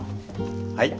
はい。